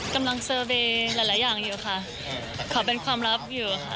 กำลังหลายอย่างอยู่ค่ะเขาเป็นความลับอยู่ค่ะ